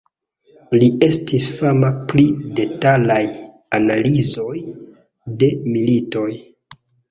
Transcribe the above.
Li estas fama pri detalaj analizoj de militoj.